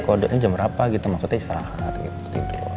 kode ini jam berapa gitu maksudnya istirahat gitu tidur